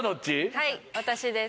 はい私です。